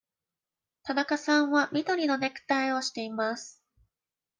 田中さんは緑のネクタイをしています。